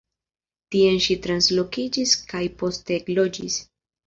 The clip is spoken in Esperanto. Tien ŝi translokiĝis kaj poste ekloĝis.